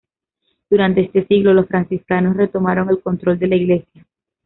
Durante este siglo los franciscanos retomaron el control de la iglesia.